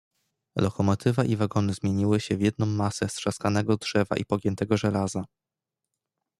"Lokomotywa i wagony zmieniły się w jedną masę strzaskanego drzewa i pogiętego żelaza."